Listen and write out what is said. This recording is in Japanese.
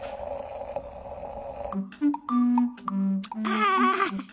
ああ。